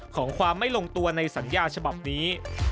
ของความไม่ลงตัวในสัญญาฉบับนี้